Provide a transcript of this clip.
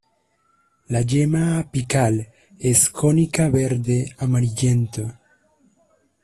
La yema apical es cónica verde amarillento.